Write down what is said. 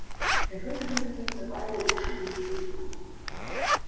Пасля гэтага ён неўзабаве і рушыў некуды з дому.